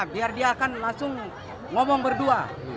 biar dia akan langsung ngomong berdua